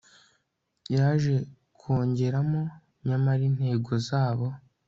Yaje kongeramo nyamara intego zabo